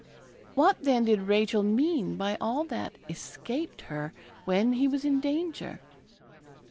What, then, did Rachel mean by all that escaped her, when he was in danger?